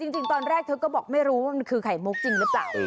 จริงตอนแรกเธอก็บอกไม่รู้ว่ามันคือไข่มุกจริงหรือเปล่า